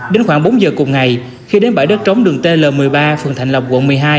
đến khoảng bốn giờ cùng ngày khi đến bãi đất trống đường tl một mươi ba phường thạnh lộc quận một mươi hai